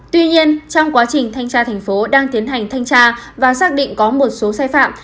tuy nhiên trong quá trình thanh tra thành phố đang tiến hành thanh tra và xác định có một số sai phạm